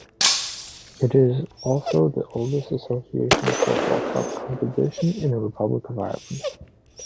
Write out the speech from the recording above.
It is also the oldest association football cup competition in the Republic of Ireland.